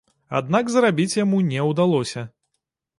Аднак зарабіць яму не ўдалося.